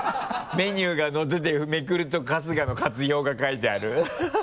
メニューが載っててめくると春日の活用が書いてある